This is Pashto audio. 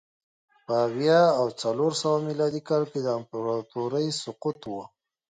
په اویا او څلور سوه میلادي کال کې د امپراتورۍ سقوط و